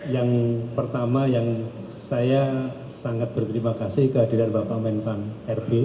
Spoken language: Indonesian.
yang pertama yang saya sangat berterima kasih kehadiran bapak menpan rb